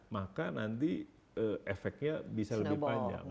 maka nanti efeknya bisa lebih panjang